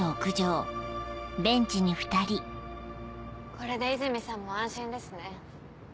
これで泉さんも安心ですね。